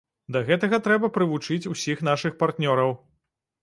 Да гэтага трэба прывучыць усіх нашых партнёраў.